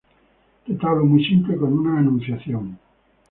Retablo muy simple, con una anunciación.